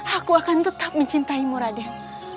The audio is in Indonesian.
aku akan tetap mencintaimu raden